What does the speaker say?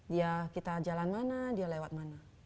dia kita jalan mana dia lewat mana